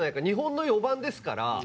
日本の４番ですから。